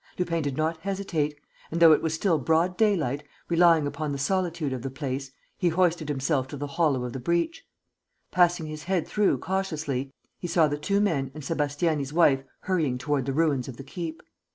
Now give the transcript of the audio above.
Lupin did not hesitate; and, though it was still broad daylight, relying upon the solitude of the place, he hoisted himself to the hollow of the breach. Passing his head through cautiously, he saw the two men and Sébastiani's wife hurrying toward the ruins of the keep.